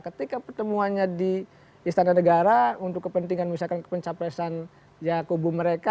ketika pertemuannya di istana negara untuk kepentingan misalkan pencapresan ya kubu mereka